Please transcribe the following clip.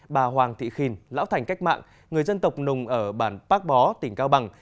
bà hoàng thị khin lão thành cách mạng người dân tộc nùng ở bản bác bó tỉnh cao bằng